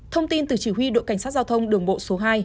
thông tin từ chỉ huy đội cảnh sát giao thông đường bộ số hai